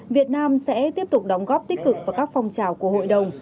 việt nam sẽ tiếp tục đóng góp tích cực vào các phong trào của hội đồng